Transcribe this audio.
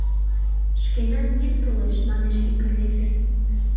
— Шкенан еҥ толеш, — манеш ик рвезе.